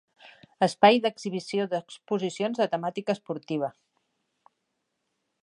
Espai d’exhibició d’exposicions de temàtica esportiva.